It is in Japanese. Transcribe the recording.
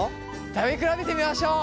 食べ比べてみましょう。